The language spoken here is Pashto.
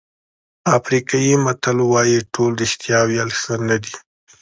افریقایي متل وایي ټول رښتیا ویل ښه نه دي.